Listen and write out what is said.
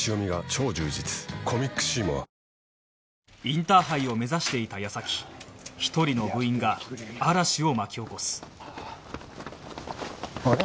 インターハイを目指していた矢先１人の部員が嵐を巻き起こすあれ？